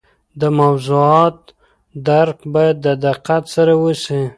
د موضوعات درک باید د دقت سره وسي.